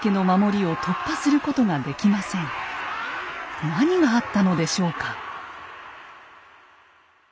源氏は何があったのでしょうか？